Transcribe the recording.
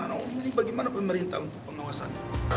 nah ini bagaimana pemerintah untuk pengawasan